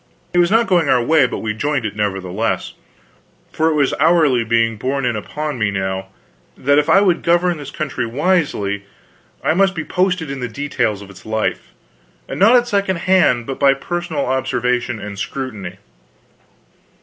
It was not going our way, but we joined it, nevertheless; for it was hourly being borne in upon me now, that if I would govern this country wisely, I must be posted in the details of its life, and not at second hand, but by personal observation and scrutiny.